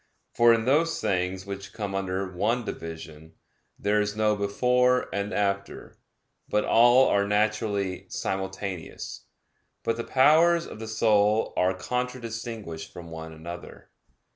For in those things which come under one division, there is no before and after, but all are naturally simultaneous. But the powers of the soul are contradistinguished from one another.